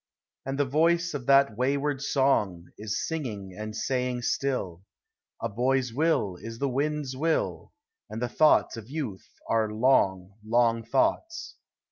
And the voice of that wayward song Is singing and saying still: "A boy's will is the wind's will, Digitized by Google YOUTH. 2<n And the thoughts of youth are long, long thoughts.''